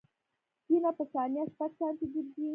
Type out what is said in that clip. وینه په ثانیه شپږ سانتي ګرځي.